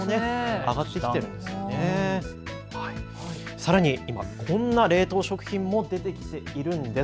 さらに今こんな冷凍食品も出てきているんです。